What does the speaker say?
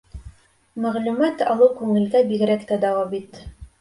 Мәғлүмәт алыу күңелгә бигерәк тә дауа бит.